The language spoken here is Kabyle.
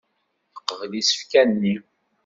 Teqbel isefka-nni.